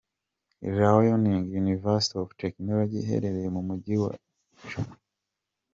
Liaoning University of Technology iherereye mu Mujyi wa Jinzhou.